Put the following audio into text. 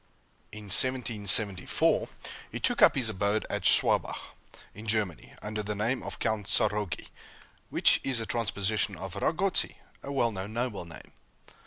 In 1774, he took up his abode at Schwabach, in Germany, under the name of Count Tzarogy, which is a transposition of Ragotzy, a well known noble name.